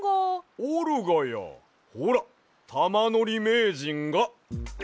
おるがやほらたまのりめいじんが。